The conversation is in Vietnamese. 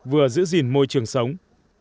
vừa giữ gìn môi trường sống